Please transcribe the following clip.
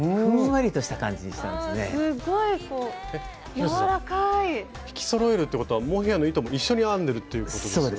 広瀬さん引きそろえるってことはモヘアの糸も一緒に編んでるっていうことですよね。